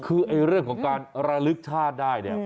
คือเรื่องของการระลึกชาติได้เนี่ย